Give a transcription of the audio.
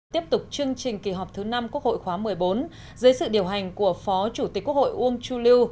tiếp tục chương trình kỳ họp thứ năm quốc hội khóa một mươi bốn dưới sự điều hành của phó chủ tịch quốc hội uông chu lưu